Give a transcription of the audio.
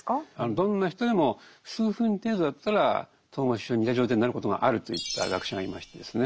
どんな人でも数分程度だったら統合失調症に似た状態になることがあると言った学者がいましてですね